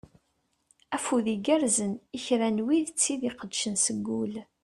Afud igerzen i kra n wid d tid iqeddcen seg ul.